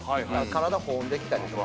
体保温できたりとか。